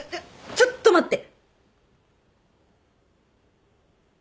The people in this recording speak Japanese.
ちょっと待って。